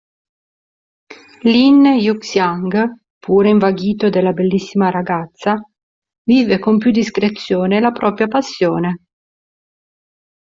Lin Yuxiang, pure invaghito della bellissima ragazza, vive con più discrezione la propria passione.